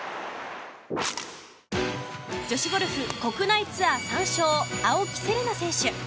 女子ゴルフ国内ツアー３勝青木瀬令奈選手。